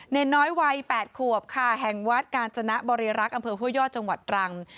น้อยวัย๘ขวบค่ะแห่งวัดกาญจนบริรักษ์อำเภอห้วยยอดจังหวัดตรัง